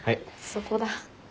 そこだ。